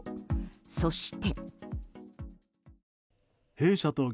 そして。